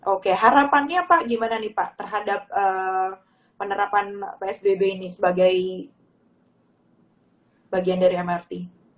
oke harapannya pak gimana nih pak terhadap penerapan psbb ini sebagai bagian dari mrt